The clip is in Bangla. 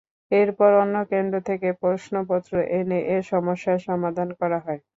এরপর অন্য কেন্দ্র থেকে প্রশ্নপত্র এনে এ সমস্যার সমাধান করা হয়।